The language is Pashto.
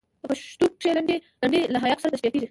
په پښتو کښي لنډۍ له هایکو سره تشبیه کېږي.